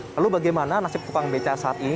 lalu bagaimana nasib tukang beca saat ini